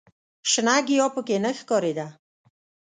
شنه ګیاه په کې نه ښکارېده.